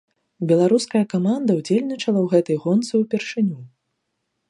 Беларуская каманда ўдзельнічала ў гэтай гонцы ўпершыню.